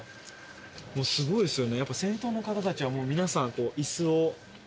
もうすごいですよね。